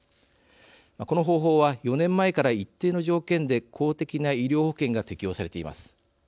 この方法は、４年前から一定の条件で公的な医療保険が適用されています。